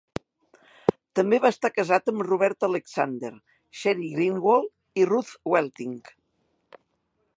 També va estar casat amb Roberta Alexander, Sheri Greenawald i Ruth Welting.